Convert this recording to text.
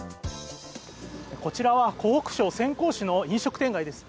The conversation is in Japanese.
こちらは湖北省潜江市の飲食店街です。